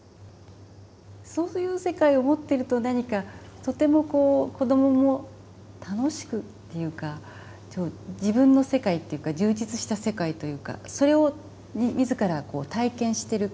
そういう世界を持っていると何かとても子どもも楽しくっていうか自分の世界っていうか充実した世界というかそれを自ら体験してる感じになるんでしょうか？